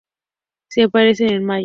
Se aparean en mayo.